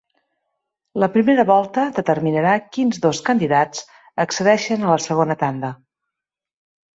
La primera volta determinarà quins dos candidats accedeixen a la segona tanda.